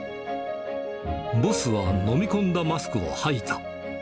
ボスは飲み込んだマスクを吐いた。